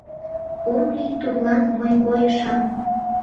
Ом лий тудлан мый койышан